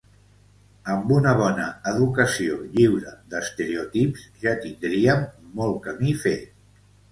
Amb una bona educació, lliure d’estereotips, ja tindríem molt camí fet.